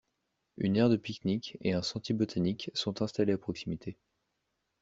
Une aire de pique-nique et un sentier botanique sont installés à proximité.